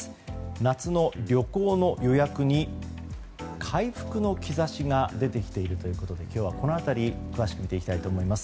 夏の旅行の予約に回復の兆しが出てきているということで今日はこの辺り、詳しく見ていきたいと思います。